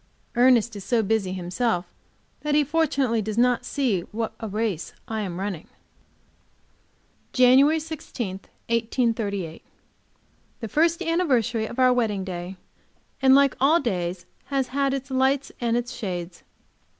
Ernest is so busy himself that he fortunately does not see what a race I am running. JANUARY 16, 1838. The first anniversary of our wedding day, and like all days, has had its lights and its shades.